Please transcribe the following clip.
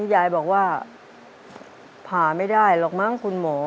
ยายบอกว่าผ่าไม่ได้หรอกมั้งคุณหมอ